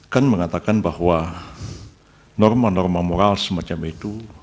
kan mengatakan bahwa norma norma moral semacam itu